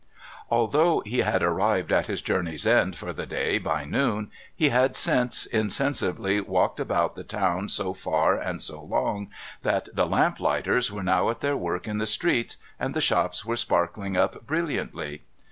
Although he had arrived at his journey's end for the day by noon, he had since insensibly walked about the town so far and so long that the lamp lighters were now at their work in the streets, and the shops were sparkling up brilliantly.